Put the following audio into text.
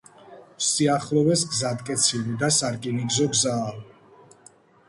სიახლოვეს გზატკეცილი და სარკინიგზო გზაა.